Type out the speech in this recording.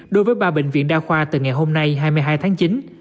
đối với ba bệnh viện đa khoa từ ngày hôm nay hai mươi hai tháng chín